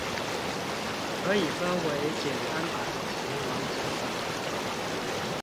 可以分為簡單版及完整版